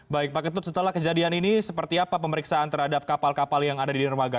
baik pak ketut setelah kejadian ini seperti apa pemeriksaan terhadap kapal kapal yang ada di dermaga